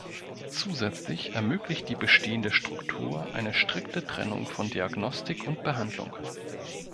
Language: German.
Zusätzlich ermöglicht die bestehende Struktur eine strikte Trennung von Diagnostik und Behandlung.